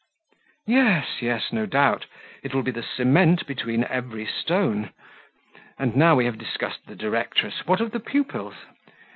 "Yes, yes, no doubt; it will be the cement between every stone. And now we have discussed the directress, what of the pupils?